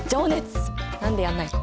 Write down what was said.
何でやんないの？